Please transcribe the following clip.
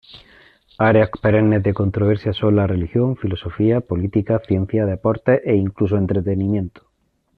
Áreas perennes de controversia son la religión, filosofía, política, ciencia, deportes e incluso entretenimiento.